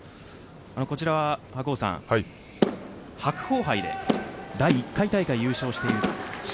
こちらは白鵬さん白鵬杯で第１回大会優勝していると。